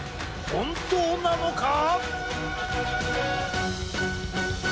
本当なのか？